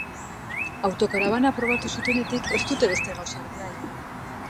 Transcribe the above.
Autokarabana probatu zutenetik ez dute beste gauzarik nahi.